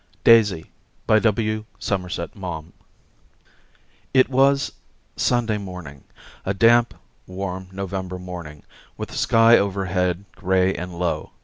.. DAISY DAISY I It was Sunday morning — a damp, warm November morning, with the sky overhead grey and low.